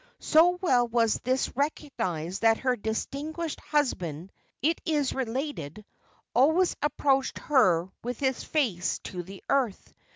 So well was this recognized that her distinguished husband, it is related, always approached her with his face to the earth.